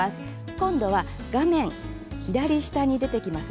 今度は画面左下に出てきます